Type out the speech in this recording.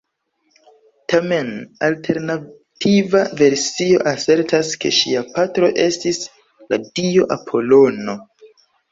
Tamen, alternativa versio asertas ke ŝia patro estis la dio Apolono.